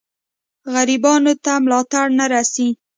غریبانو ته ملاتړ نه رسي.